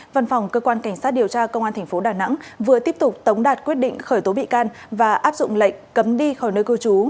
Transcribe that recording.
văn phòng cơ quan cảnh sát điều tra công an tp đà nẵng vừa tiếp tục tống đạt quyết định khởi tố bị can và áp dụng lệnh cấm đi khỏi nơi cư trú